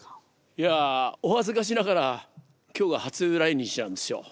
いやお恥ずかしながら今日が初来日なんですよ。